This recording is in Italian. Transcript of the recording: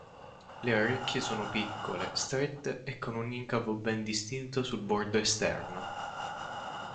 Le orecchie sono piccole, strette e con un incavo ben distinto sul bordo esterno.